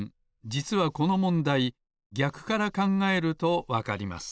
じつはこのもんだいぎゃくからかんがえるとわかります。